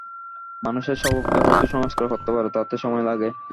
মানুষের স্বভাবকে হয়তো সংস্কার করতে পার, তাতে সময় লাগে।